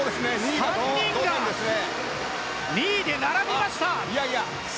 ３人が２位で並びました。